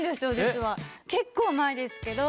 結構前ですけど。